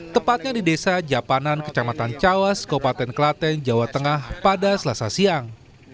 tepatnya di desa japanan kecamatan cawas kabupaten klaten jawa tengah pada selasa siang